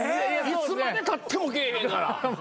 いつまでたっても来えへんから。